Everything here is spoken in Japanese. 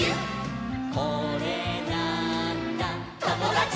「これなーんだ『ともだち！』」